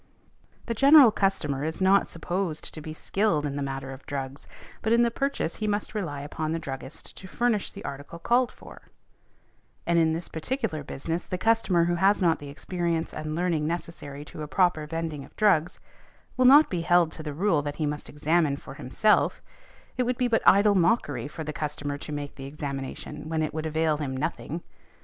The general customer is not supposed to be skilled in the matter of drugs, but in the purchase he must rely upon the druggist to furnish the article called for; and in this particular business the customer who has not the experience and learning necessary to a proper vending of drugs, will not be held to the rule that he must examine for himself, it would be but idle mockery for the customer to make the examination when it would avail him nothing.